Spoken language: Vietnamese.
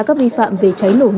các vi phạm về cháy nổ nghiêm trọng